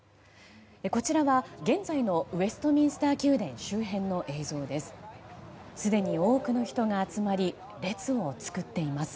こちらは、現在のウェストミンスター宮殿周辺の映像です。